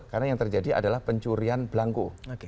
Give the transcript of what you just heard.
karena yang terjadi adalah pencurian belangku